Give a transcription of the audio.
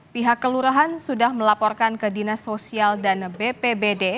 pihak kelurahan sudah melaporkan ke dinas sosial dan bpbd